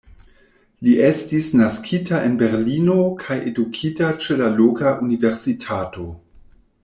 Li estis naskita en Berlino kaj edukita ĉe la loka universitato.